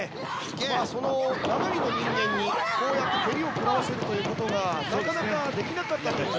生身の人間にこうやって蹴りを食らわせるということがなかなかできなかったという。